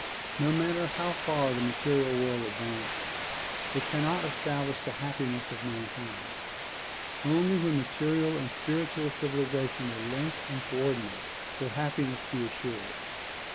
No matter how far the material world advances it cannot establish the happiness of mankind. Only when material and spiritual civilization are linked and coordinated will happiness be assured.